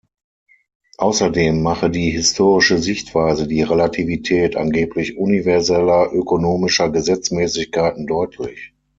Außerdem mache die historische Sichtweise die Relativität angeblich universeller ökonomischer Gesetzmäßigkeiten deutlich.